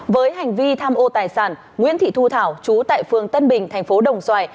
với hành vi tham ô tài sản nguyễn thị thu thảo chú tại phường tân bình thành phố đồng xoài